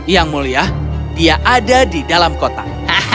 yang mulia dia ada di dalam kotak